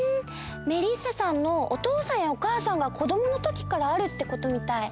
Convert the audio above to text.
メリッサさんのおとうさんやおかあさんが子どものときからあるってことみたい。